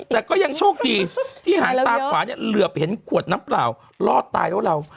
แต่ก็ยังโชคดีที่หางตาขวาเนี่ยเหลือไปเห็นขวดน้ำเปล่ารอดตายแล้วเรา